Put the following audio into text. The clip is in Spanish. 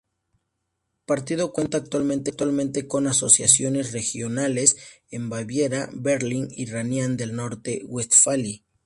El partido cuenta actualmente con asociaciones regionales en Baviera, Berlín y Renania del Norte-Westfalia.